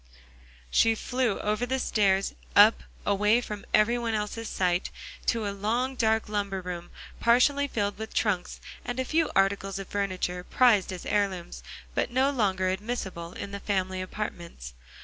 She flew over the stairs up, away from every one's sight, to a long, dark lumber room, partially filled with trunks, and a few articles of furniture, prized as heirlooms, but no longer admissible in the family apartments.